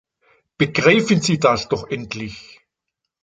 Begreifen Sie das doch endlich!